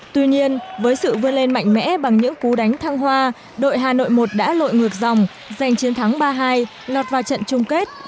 tuy nhiên với sự vươn lên mạnh mẽ bằng những cú đánh thăng hoa đội hà nội một đã lội ngược dòng giành chiến thắng ba hai lọt vào trận chung kết